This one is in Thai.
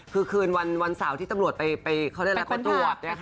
คือคืนวันสาวที่ตำรวจไปปร้วจ